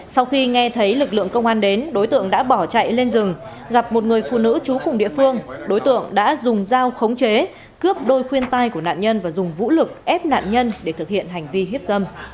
sau khi nghe thấy lực lượng công an đến đối tượng đã bỏ chạy lên rừng gặp một người phụ nữ trú cùng địa phương đối tượng đã dùng dao khống chế cướp đôi khuyên tai của nạn nhân và dùng vũ lực ép nạn nhân để thực hiện hành vi hiếp dâm